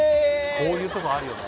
こういうとこあるよね